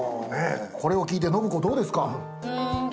これを聞いて信子どうですか？